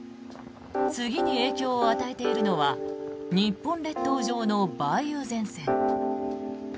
次に影響を与えているのは日本列島上の梅雨前線。